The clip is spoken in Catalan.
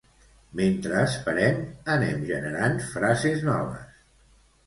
Mentres esperem, anem generant frases noves.